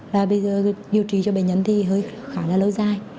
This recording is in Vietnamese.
là bây giờ điều trị cho bệnh nhân thì hơi khá là lâu dài